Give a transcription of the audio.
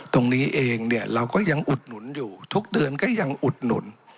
ตรงนี้เองเนี่ยเราก็ยังอุดหนุนอยู่ทุกเดือนก็ยังอุดหนุน